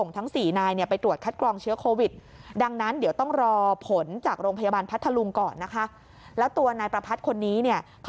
ทั้งคดีชิงทรัพย์ปล้นทรัพย์